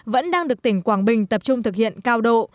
vẫn đang được tỉnh quảng bình tập trung thực hiện cao độ